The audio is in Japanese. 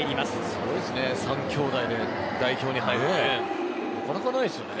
すごいですね三兄弟で代表に入るってなかなかないですよね。